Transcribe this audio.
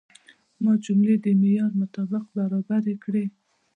ما جملې د معیار مطابق برابرې کړې.